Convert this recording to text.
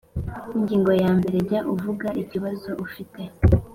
Ingingo ya mbere Jya uvuga ikibazo ufite